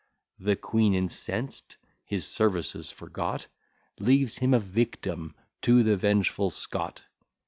The queen incensed, his services forgot, Leaves him a victim to the vengeful Scot.